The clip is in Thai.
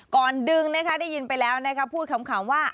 ก่อนดึงนะคะได้ยินไปแล้วนะคะพูดคำว่า